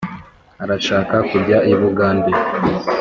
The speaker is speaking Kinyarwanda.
• arashaka kujya i bugande.